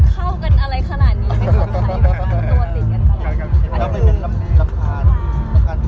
เป็นแกงแต่งนี้บ่าดูน่ารักมาก